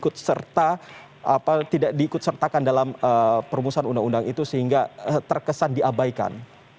ikut serta tidak diikut sertakan dalam perumusan undang undang itu sehingga terkesan diabaikan